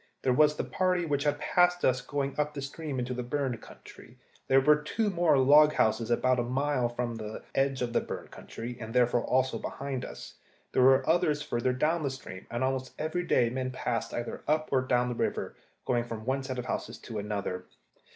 There was the party which had passed us going up the stream into the burned country. There were two more log houses about a mile from the edge of the burned country, and therefore also behind us. There were others further down the stream, and almost every day men passed either up or down the river, going from one set of houses to another.